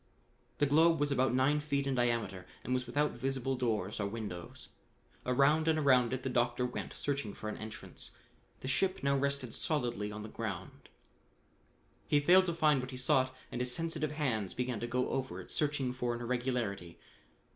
The globe was about nine feet in diameter and was without visible doors or windows. Around and around it the doctor went, searching for an entrance. The ship now rested solidly on the ground. He failed to find what he sought and his sensitive hands began to go over it searching for an irregularity.